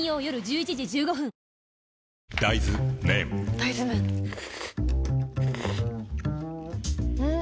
大豆麺ん？